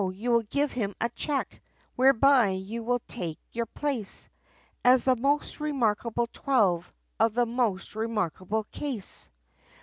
you will give him a check, whereby you will take your place, As the most remarkable twelve, of the most remarkable case!"